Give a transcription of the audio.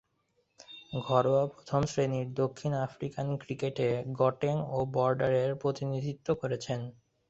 ঘরোয়া প্রথম-শ্রেণীর দক্ষিণ আফ্রিকান ক্রিকেটে গটেং ও বর্ডারের প্রতিনিধিত্ব করেছেন।